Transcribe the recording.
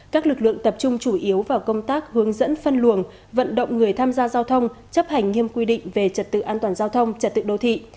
các lực lượng tập trung chủ yếu vào công tác hướng dẫn phân luồng vận động người tham gia giao thông chấp hành nghiêm quy định về trật tự an toàn giao thông trật tự đô thị